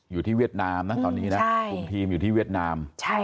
อยู่ที่เวียดนามนะตอนนี้คุมทีมอยู่ที่เวียดนาม